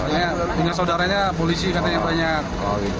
iya punya saudaranya polisi katanya banyak